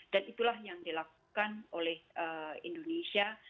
dan itulah yang dilakukan oleh indonesia